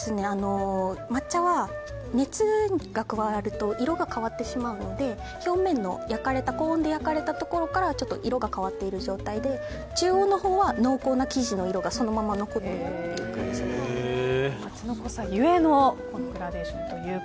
抹茶は熱が加わると色が変わってしまうので表面の高温で焼かれたところから色が変わっている状態で中央のほうは濃厚な生地の色がそのまま残っているという。